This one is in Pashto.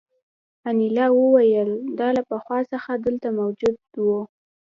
انیلا وویل دا له پخوا څخه دلته موجود وو